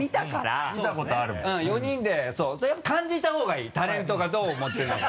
あとやっぱ感じた方がいいタレントがどう思ってるのか。